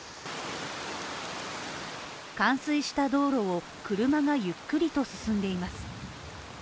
冠水した道路を車がゆっくりと進んでいます。